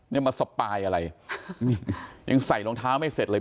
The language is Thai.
เนี่ยมันสปายอะไรยังใส่รองเท้าไม่เสร็จเลย